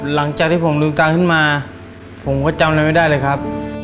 หลังจากที่ผมดูการขึ้นมาผมก็จำอะไรไม่ได้เลยครับ